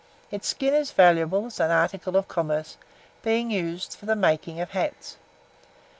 Its skin is valuable as an article of commerce, being used for the making of hats.